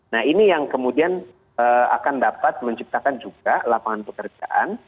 nah ini yang kemudian akan dapat menciptakan juga lapangan pekerjaan